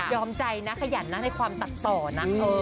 ใจนะขยันนะในความตัดต่อนะ